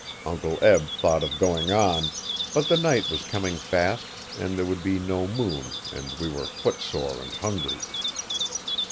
Uncle Eb thought of going on, but the night was coming fast and there would be no moon and we were footsore and hungry.